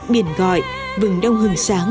biển gọi vừng đông hừng sáng